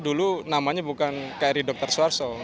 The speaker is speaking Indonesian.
dulu namanya bukan kri dr suarso